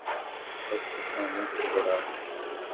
A expressão é muito rigorosa